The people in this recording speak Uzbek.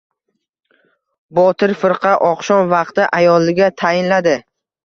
Botir firqa oqshom vaqti ayoliga tayinladi: